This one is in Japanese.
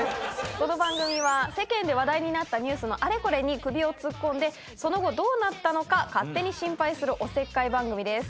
この番組は世間で話題になったニュースのあれこれに首を突っ込んでその後どうなったのか勝手にシンパイするおせっかい番組です。